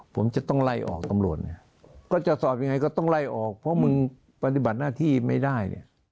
ผมจะต้องไล่ออกตำรวจเนี่ยก็จะสอบยังไงก็ต้องไล่ออกเพราะมึงปฏิบัติหน้าที่ไม่ได้เนี่ย